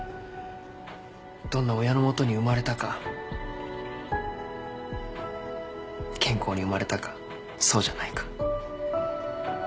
どんな親のもとに生まれたか健康に生まれたかそうじゃないか。